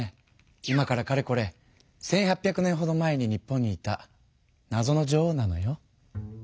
今からかれこれ１８００年ほど前に日本にいたなぞの女王なのよ。